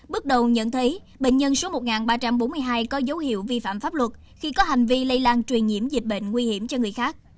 bước đầu nhận thấy bệnh nhân số một nghìn ba trăm bốn mươi hai có dấu hiệu vi phạm pháp luật khi có hành vi lây lan truyền nhiễm dịch bệnh nguy hiểm cho người khác